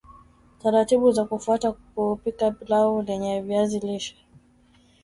taratibu za kufuata kupika pilau lenye viazi lishe